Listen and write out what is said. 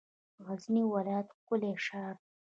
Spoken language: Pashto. غزنی ولایت ښکلی شار دی.